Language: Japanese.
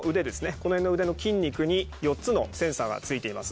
この辺の腕の筋肉に４つのセンサーが付いています。